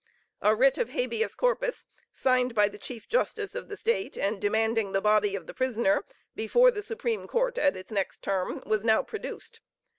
A writ of habeas corpus, signed by the chief justice of the State and demanding the body of the prisoner, before the Supreme Court at its next term, was now produced!